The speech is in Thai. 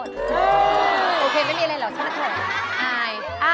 อืมโอเคไม่มีอะไรเลยหรอกใช่ไหม